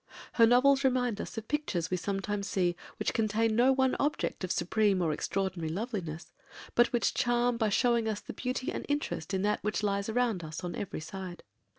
Her novels remind us of pictures we sometimes see which contain no one object of supreme or extraordinary loveliness, but which charm by showing us the beauty and interest in that which lies around us on every side.